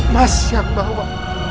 mas yang bawa